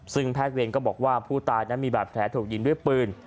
ซึ่งแพทย์เวรก็บอกว่าผู้ตายนั้นมีบาดแผลถูกยิงด้วยปืน